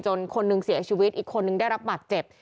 คนหนึ่งเสียชีวิตอีกคนนึงได้รับบาดเจ็บ